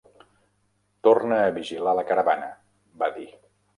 "Torna a vigilar la caravana", va dir.